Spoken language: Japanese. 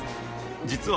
実は。